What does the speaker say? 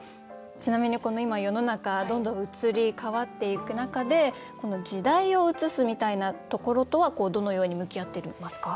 ちなみにこの今世の中どんどん移り変わっていく中で時代を映すみたいなところとはどのように向き合っていますか？